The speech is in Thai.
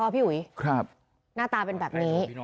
พี่อุ๋ยหน้าตาเป็นแบบนี้